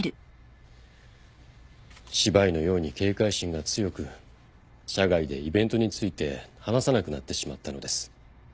司馬懿のように警戒心が強く社外でイベントについて話さなくなってしまったのです。